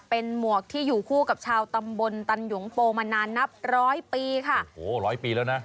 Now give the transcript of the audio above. เป็นหมวกที่อยู่คู่กับชาวตำบลตันหยงโปมานานนับร้อยปีค่ะโหร้อยปีแล้วนะ